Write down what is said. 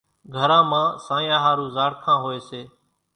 گھران مان سانيا ۿارُو زاڙکان هوئيَ سي۔